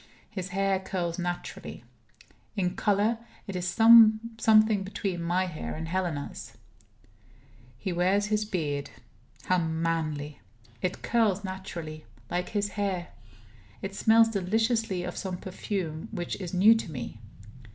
His hair curls naturally. In color, it is something between my hair and Helena's. He wears his beard. How manly! It curls naturally, like his hair; it smells deliciously of some perfume which is new to me.